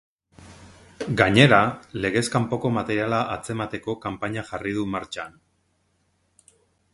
Gainera, legez kanpoko materiala atzemateko kanpaina jarri du martxan.